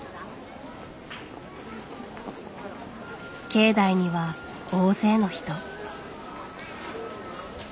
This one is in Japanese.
境内には大勢の人。